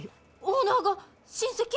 オーナーが親戚？